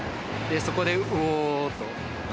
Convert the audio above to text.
そこで、うおー！と。